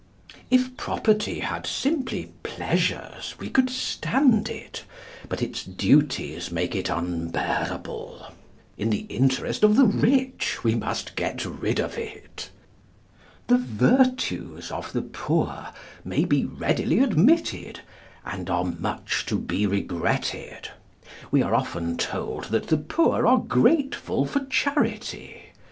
If property had simply pleasures, we could stand it; but its duties make it unbearable. In the interest of the rich we must get rid of it. The virtues of the poor may be readily admitted, and are much to be regretted. We are often told that the poor are grateful for charity.